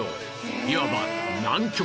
いわば南極は